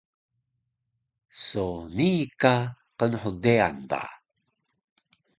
so nii ka qnhdean ba